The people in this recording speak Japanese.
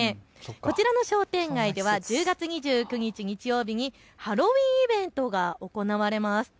こちらの商店街では１０月２９日日曜日にハロウィーンイベントが行われます。